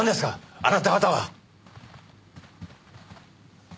あなた方は。